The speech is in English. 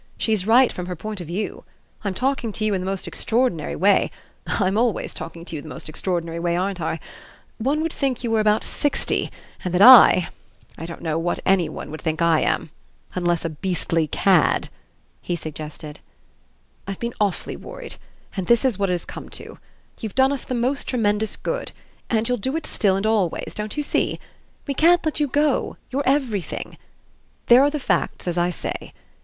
She's right from her point of view. I'm talking to you in the most extraordinary way I'm always talking to you in the most extraordinary way, ain't I? One would think you were about sixty and that I I don't know what any one would think I am. Unless a beastly cad!" he suggested. "I've been awfully worried, and this's what it has come to. You've done us the most tremendous good, and you'll do it still and always, don't you see? We can't let you go you're everything. There are the facts as I say.